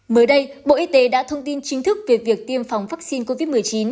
mới đây bộ y tế đã thông tin chính thức về việc tiêm phòng vaccine covid một mươi chín